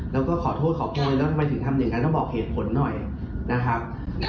แล้วก็ขอโทษขอโพยแล้วทำไมถึงทำอย่างนั้นต้องบอกเหตุผลหน่อยนะครับ